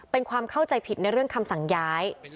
เป็นความเข้าใจผิดในเรื่องคำสั่งย้าย